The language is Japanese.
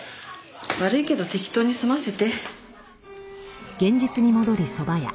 悪いけど適当に済ませて。